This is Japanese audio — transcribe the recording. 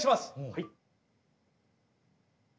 はい。